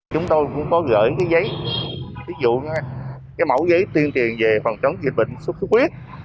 chúng tôi cũng có gửi cái giấy ví dụ cái mẫu giấy tuyên truyền về phòng chống dịch bệnh sốt xuất huyết